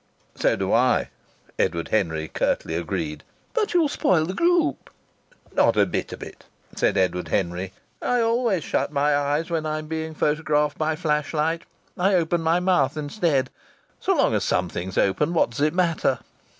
"So do I!" Edward Henry curtly agreed. "But you'll spoil the group!" "Not a bit of it!" said Edward Henry. "I always shut my eyes when I'm being photographed by flash light. I open my mouth instead. So long as something's open, what does it matter?"